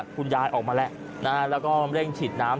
คุณยายออกมาแล้วแล้วก็เร่งฉีดน้ำ